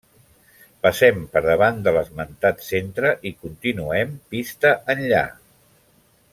Passem per davant de l'esmentat centre i continuem pista enllà.